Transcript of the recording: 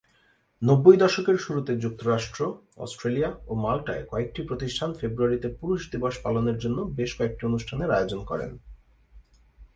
নব্বই দশকের শুরুতে যুক্তরাষ্ট্র, অস্ট্রেলিয়া ও মাল্টায় কয়েকটি প্রতিষ্ঠান ফেব্রুয়ারিতে পুরুষ দিবস পালনের জন্য বেশ কয়েকটি অনুষ্ঠানের আয়োজন করেন।